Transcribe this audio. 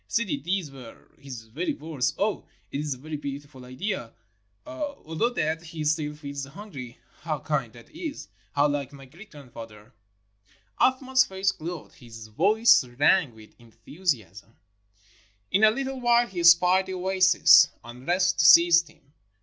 Sidi, these were his very words. Oh, it is a beautiful idea — although dead, he still feeds the hungry. How kind that is! how like my great grandf ather !" Athman's face glowed — his voice rang with enthu siasm. In a Httle while he spied the oasis. Unrest seized him.